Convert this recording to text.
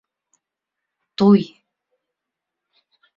Туй!